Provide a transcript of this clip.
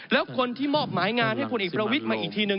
แล้วคนที่มอบหมายงานให้พลเอกประวิทย์มาอีกทีนึง